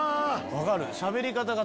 分かる。